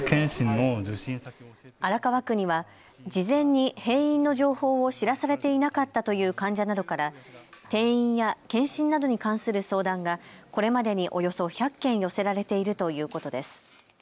荒川区には事前に閉院の情報を知らされていなかったという患者などから転院や検診などに関する相談がこれまでにおよそ１００件寄せられているということです。